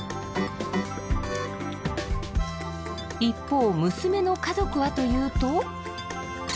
一方娘の家族はというと。